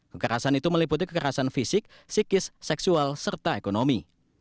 kekerasan itu meliputi kekerasan fisik psikis seksual serta ekonomi